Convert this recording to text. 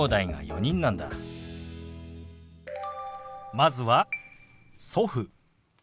まずは「祖父」。